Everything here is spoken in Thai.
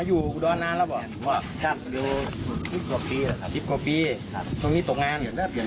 ยืมแล้วทีนี้ไม่ติดตาม